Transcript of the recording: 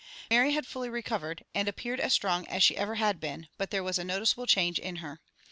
Mary had fully recovered, and appeared as strong as she ever had been, but there was a noticeable change in her.